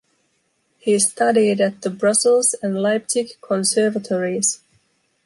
He studied at the Brussels and Leipzig Conservatories.